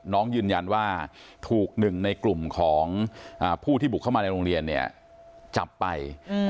น้องยืนยันว่าถูกหนึ่งในกลุ่มของผู้ที่บุกเข้ามาในโรงเรียนเนี่ยจับไป